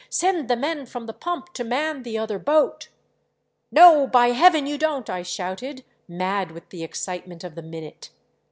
Send the men from the pump to man the other boat !" "No, by Heaven, you don't!" I shouted, mad with the excitement of the minute.